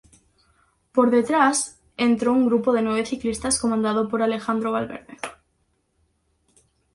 Por detrás entró un grupo de nueve ciclistas comandado por Alejandro Valverde.